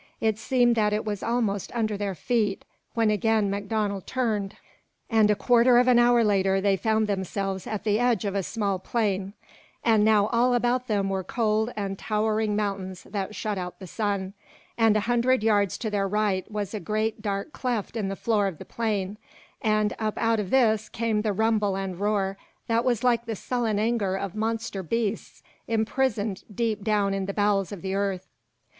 It seemed that it was almost under their feet, when again MacDonald turned, and a quarter of an hour later they found themselves at the edge of a small plain; and now all about them were cold and towering mountains that shut out the sun, and a hundred yards to their right was a great dark cleft in the floor of the plain, and up out of this came the rumble and roar that was like the sullen anger of monster beasts imprisoned deep down in the bowels of the earth.